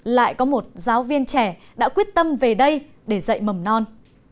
lại có một giáo viên trẻ đã quyết tâm về đây để dạy mầm non